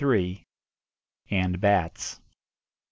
AND BATS.